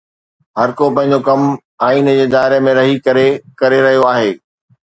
هر ڪو پنهنجو ڪم آئين جي دائري ۾ رهي ڪري ڪري رهيو آهي.